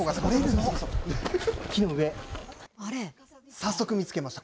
早速、見つけました。